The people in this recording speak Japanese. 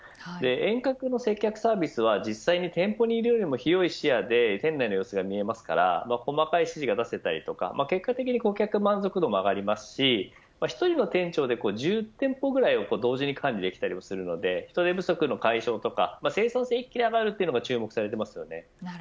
遠隔の接客サービスは、実際に広い視野で店内の様子が見えますから結果的に顧客満足度も上がりますし１人の店長で１０店舗ぐらいを同時に管理できたりするので人手不足の解消や生産性が一気に上がることが注目されます。